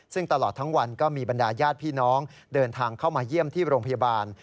ซึ่งตลอดทั้งวันก็มีบรรดาญาติพี่น้องเดินทางเข้ามาเยี่ยมที่โรงพยาบาล